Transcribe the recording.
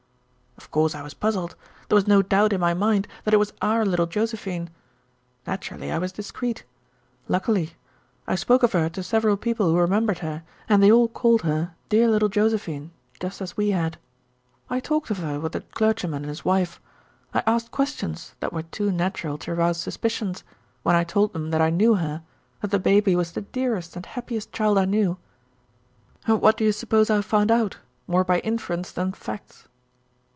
"Of course I was puzzled. There was no doubt in my mind that it was our little Josephine. Naturally I was discreet. Luckily. I spoke of her to several people who remembered her, and they all called her 'dear little Josephine' just as we had. I talked of her with the clergyman and his wife. I asked questions that were too natural to rouse suspicions, when I told them that I knew her, that the baby was the dearest and happiest child I knew, and what do you suppose I found out, more by inference than facts?"